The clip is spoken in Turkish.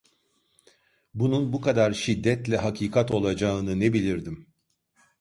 Bunun bu kadar şiddetle hakikat olacağını ne bilirdim?